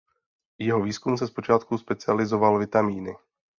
Jeho výzkum se zpočátku specializoval vitamíny.